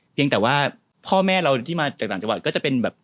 เพียงแต่ว่าพ่อแม่เราที่มาจากต่างจังหวัดก็จะเป็นแบบ